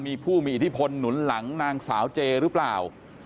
มีผู้มีอิทธิพลหนุนหลังนางสาวเจหรือเปล่า